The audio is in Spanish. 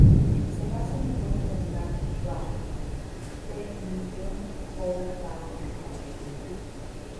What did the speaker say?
Se basa en el cuento de Mark Twain "The Million Pound Bank Note".